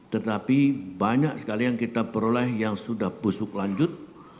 tetapi banyak sekali yang kita peroleh yang sudah busuk lanjut